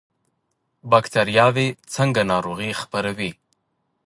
بکتریاوې څنګه ناروغي خپروي؟